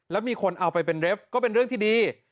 แล้วมีคนเอาไปเป็นเรฟก็เป็นเรื่องที่ดี